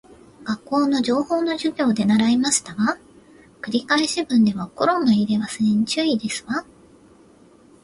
学校の情報の授業で習いましたわ。繰り返し文ではコロンの入れ忘れに注意ですわ